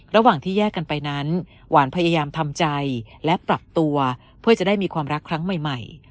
ระหว่างที่แยกกันไปนั้นหวานพยายามทำใจและปรับตัวเพื่อจะได้มีความรักครั้งใหม่